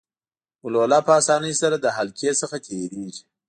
ګلوله په اسانۍ سره له حلقې څخه تیریږي.